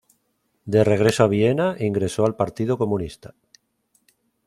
De regreso a Viena, ingresó al Partido Comunista.